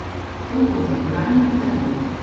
Fou contemporani d'Ateneu.